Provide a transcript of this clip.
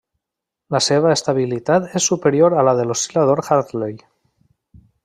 La seva estabilitat és superior a la de l'oscil·lador Hartley.